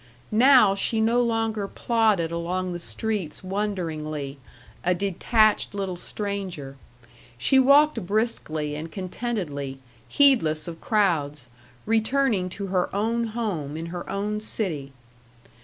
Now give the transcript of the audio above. Now she no longer plodded along the streets wonderingly, a detached little stranger; she walked briskly and contentedly, heedless of crowds, returning to her own home in her own city.